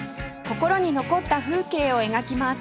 心に残った風景を描きます